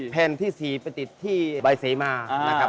แผ่นที่๔ไปติดที่ใบเสมานะครับ